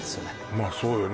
まあそうよね